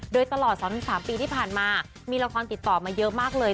โดยตลอด๒๓ปีที่ผ่านมามีละครติดต่อมาเยอะมากเลย